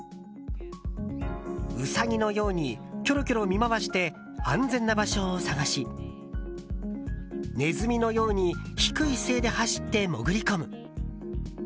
うさぎのようにキョロキョロ見回して安全な場所を探しねずみのように低い姿勢で走って潜り込む。